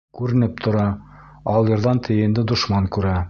Күренеп тора: алйырҙан тейенде дошман күрә.